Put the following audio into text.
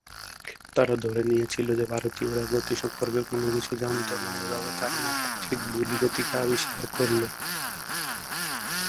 তারা ধরে নিয়েছিল যে ভারতীয়রা গতি সম্পর্কে কোন কিছু জানত না এভাবে তারা নাক্ষত্রিক ভুল গতিকে আবিষ্কার করল।